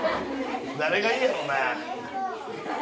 誰がいいやろうな？